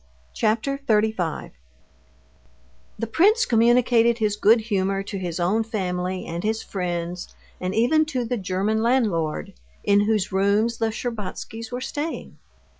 Chapter 35 The prince communicated his good humor to his own family and his friends, and even to the German landlord in whose rooms the Shtcherbatskys were staying.